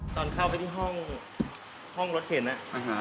ตอนเข้าไปที่ห้องรถเข็นอะ